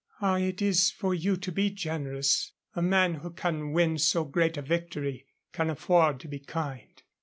"Ah, it is for you to be generous. A man who can win so great a victory can afford to be kind."